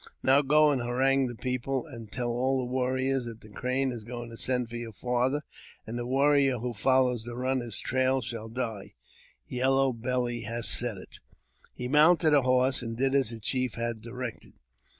Now go and harangue the people, and tell all the warriors that the Crane is going to send for your fath and the warrior who follows the runner's trail shall Yellow Belly has said it." He mounted a horse, and did as the chief had directed.